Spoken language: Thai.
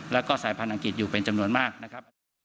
แล้วก็สายพันธุอังกฤษอยู่เป็นจำนวนมากนะครับ